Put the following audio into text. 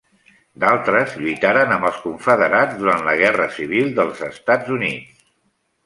D'altres lluitaren amb els confederats durant la Guerra civil dels Estats Units.